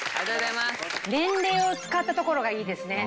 年齢を使ったところがいいですね。